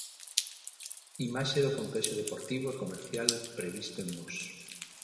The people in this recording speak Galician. Imaxe do complexo deportivo e comercial previsto en Mos.